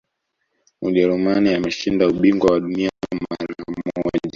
ujerumani ameshinda ubingwa wa dunia mara moja